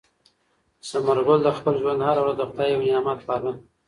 ثمر ګل د خپل ژوند هره ورځ د خدای یو نعمت باله.